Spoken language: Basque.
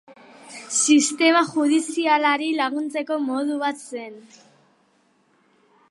Sistema judizialari laguntzeko modu bat zen.